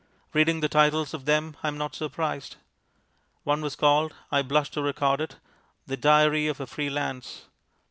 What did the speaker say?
Reading the titles of them, I am not surprised. One was called (I blush to record it) "The Diary of a Free Lance."